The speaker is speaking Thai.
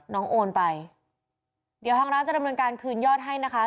โอนไปเดี๋ยวทางร้านจะดำเนินการคืนยอดให้นะคะ